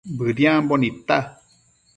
Bëdiambo nidta